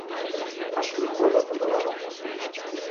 "Aż mnie głowa zabolała..."